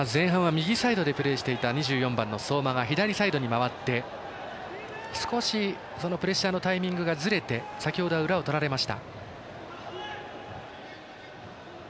前半は右サイドでプレーしていた相馬が左サイドに回って少しプレッシャーのタイミングがずれて先ほどは裏をとられました。